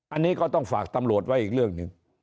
อันนี้ก็ต้องฝากตำรวจไว้อีกเรื่องหนึ่ง